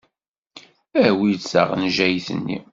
Awi-d taɣenjayt-nni.